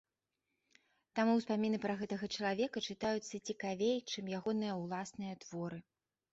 Таму ўспаміны пра гэтага чалавека чытаюцца цікавей, чым ягоныя ўласныя творы.